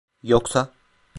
Yoksa…